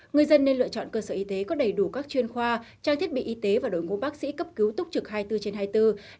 người dân nên lựa chọn cơ sở y tế có đầy đủ các chuyên khoa trang thiết bị y tế và đội ngũ bác sĩ cấp cứu túc trực hai mươi bốn trên hai mươi bốn